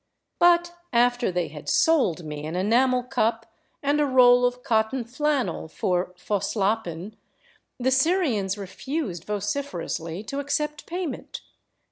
But after they had " sold " me an enamel cup and a roll of cotton flannel for " Fusslappen," the Syrians refused vociferously to accept payment.